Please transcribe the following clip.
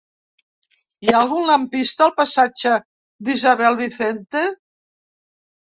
Hi ha algun lampista al passatge d'Isabel Vicente?